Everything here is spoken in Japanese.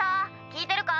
聞いてるか？